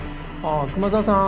あ熊沢さん